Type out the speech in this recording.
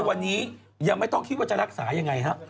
วันนี้ยังไม่ต้องคิดว่าจะรักษายังไงฮะ